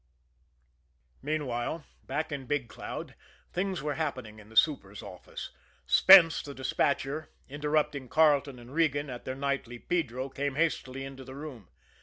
Meanwhile, back in Big Cloud, things were happening in the super's office. Spence, the despatcher, interrupting Carleton and Regan at their nightly pedro, came hastily into the room.